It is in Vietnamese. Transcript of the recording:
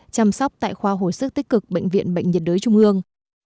chăm sóc tại khoa hồi sức tích cực bệnh viện bệnh nhiệt đới trung ương